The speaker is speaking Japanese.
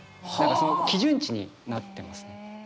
何か基準値になってますね。